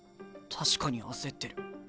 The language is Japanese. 確かに焦ってる。